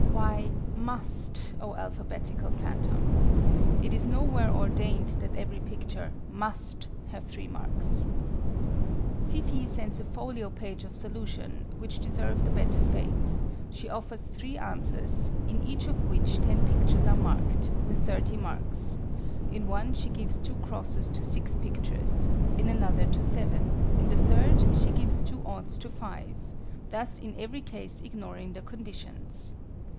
Why "must," oh alphabetical phantom? It is nowhere ordained that every picture "must" have 3 marks! FIFEE sends a folio page of solution, which deserved a better fate: she offers 3 answers, in each of which 10 pictures are marked, with 30 marks; in one she gives 2 x's to 6 pictures; in another to 7; in the 3rd she gives 2 o's to 5; thus in every case ignoring the conditions.